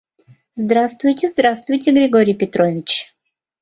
— Здравствуйте, здравствуйте, Григорий Петрович!